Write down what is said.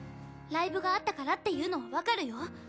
ライブがあったからっていうのはわかるよ。